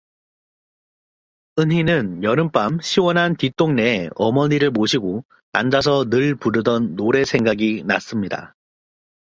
은희는 여름밤 시원한 뒷동산에 어머니를 모시고 앉아서 늘 부르던 노래 생각이 났습니다.